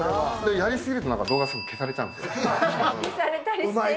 やり過ぎると動画、すぐ消されちゃうんです。